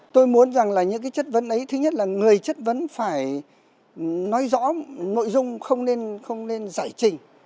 tôi muốn rằng là những cái chất vấn ấy thứ nhất là người chất vấn phải nói rõ nội dung không nên không nên giải trình